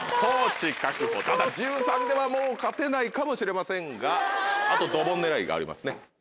ただ１３ではもう勝てないかもしれませんがあとドボン狙いがありますね。